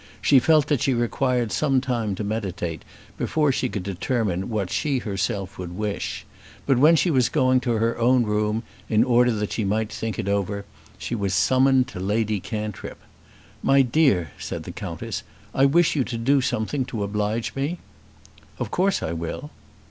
She felt that she required some time to meditate before she could determine what she herself would wish; but when she was going to her own room, in order that she might think it over, she was summoned to Lady Cantrip. "My dear," said the Countess, "I wish you to do something to oblige me." "Of course I will."